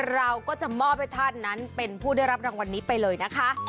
เราก็จะมอบให้ท่านนั้นเป็นผู้ได้รับรางวัลนี้ไปเลยนะคะ